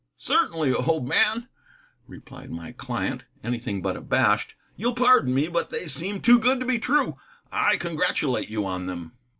"Certainly, old man," replied my client, anything but abashed. "You'll pardon me, but they seemed too good to be true. I congratulate you on them."